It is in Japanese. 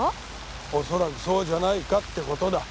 恐らくそうじゃないかって事だ。